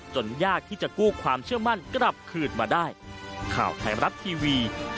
จนยากที่จะกู้ความเชื่อมั่นกลับคืนมาได้